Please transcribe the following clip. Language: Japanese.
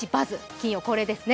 金曜恒例ですね。